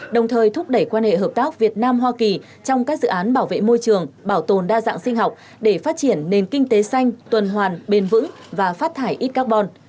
đồng thời thúc đẩy quan hệ hợp tác việt nam hoa kỳ trong các dự án bảo vệ môi trường bảo tồn đa dạng sinh học để phát triển nền kinh tế xanh tuần hoàn bền vững và phát thải ít carbon